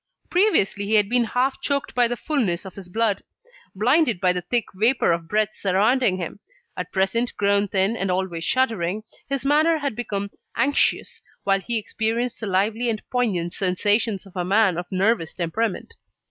Previously, he had been half choked by the fulness of his blood, blinded by the thick vapour of breath surrounding him. At present, grown thin, and always shuddering, his manner had become anxious, while he experienced the lively and poignant sensations of a man of nervous temperament.